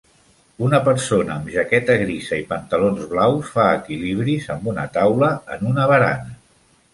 Una persona amb jaqueta grisa i pantalons blaus fa equilibris amb una taula en una barana